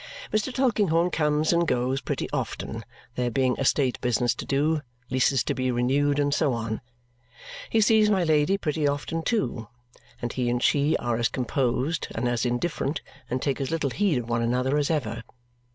Mr. Tulkinghorn comes and goes pretty often, there being estate business to do, leases to be renewed, and so on. He sees my Lady pretty often, too; and he and she are as composed, and as indifferent, and take as little heed of one another, as ever.